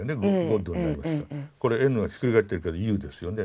これＮがひっくり返ってるけどＵですよね。